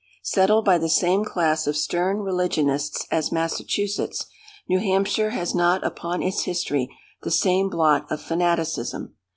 Settled by the same class of stern religionists as Massachusetts, New Hampshire has not upon its history the same blot of fanaticism.